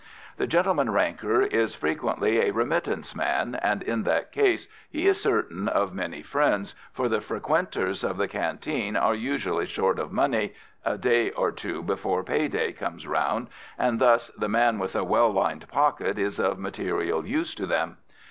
The gentleman ranker is frequently a remittance man, and in that case he is certain of many friends, for the frequenters of the canteen are usually short of money a day or two before pay day comes round, and thus the man with a well lined pocket is of material use to them.